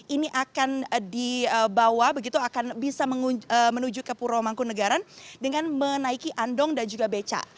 ini akan dibawa begitu akan bisa menuju ke puro mangkunegaran dengan menaiki andong dan juga beca